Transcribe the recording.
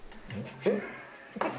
えっ？